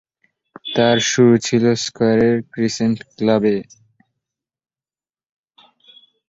তার শুরু ছিল স্কয়ারের ক্রিসেন্ট ক্লাবে।